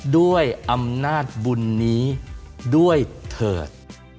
ด้วยอำนาจบุญนี้ด้วยเถิด